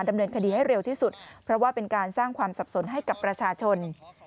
ดำเนินคดีให้เร็วที่สุดเพราะว่าเป็นการสร้างความสับสนให้กับประชาชน